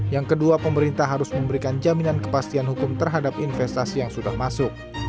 yang kedua pemerintah harus memberikan jaminan kepastian hukum terhadap investasi yang sudah masuk